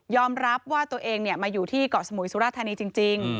รับว่าตัวเองมาอยู่ที่เกาะสมุยสุราธานีจริง